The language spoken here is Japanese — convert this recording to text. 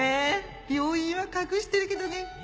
病院は隠してるけどね。